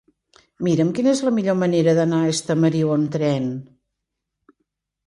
Mira'm quina és la millor manera d'anar a Estamariu amb tren.